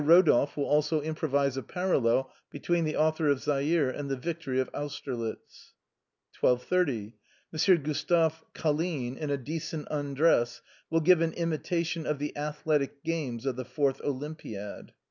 Rodolphe will also improvise a parallel between the author of Zaire and the victor of Austerlitz. 12.30.— M. Gustave Colline, in a decent undress, will give an imitation of the athletic games of the 4th Olympiad.